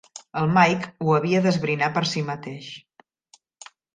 El Mike ho havia d'esbrinar per si mateix.